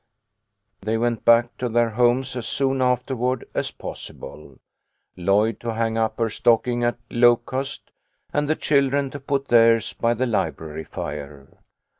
They went back to their homes as soon afterward as possible, Lloyd to hang up her stocking at Locust, and the children to put theirs by the library fire.